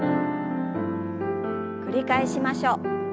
繰り返しましょう。